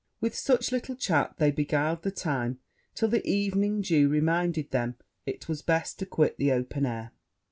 With such like chat they beguiled the time, till the evening dew reminded them it was best to quit the open air.